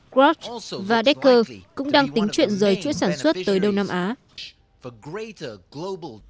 grouch và decker cũng đang tính chuyện rời chuỗi sản xuất tới đông nam á